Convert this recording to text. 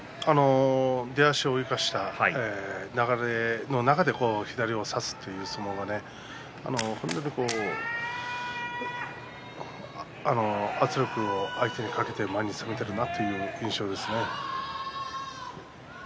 出足を生かした流れの中で左を差すという相撲が本当に圧力を相手にかけて前に出られているなと思いますね。